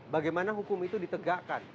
bagaimana hukum itu ditegakkan